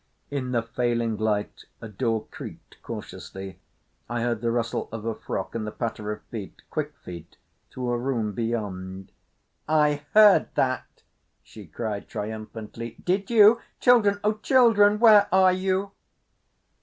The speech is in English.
In the failing light a door creaked cautiously. I heard the rustle of a frock and the patter of feet—quick feet through a room beyond. "I heard that," she cried triumphantly. "Did you? Children, O children, where are you?"